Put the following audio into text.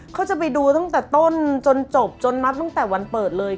เขาจะไปดูตั้งแต่ต้นจนจบจนนับตั้งแต่วันเปิดเลย